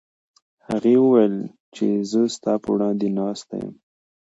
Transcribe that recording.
هغې وویل چې زه ستا په وړاندې ناسته یم.